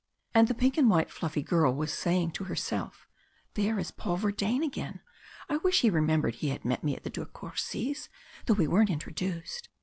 And the pink and white fluffy girl was saying to herself: "There is Paul Verdayne again. I wish he remembered he had met me at the De Courcys', though we weren't introduced.